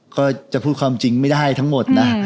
ก็จะพูดความจริงไม่ได้ทั้งหมดนะ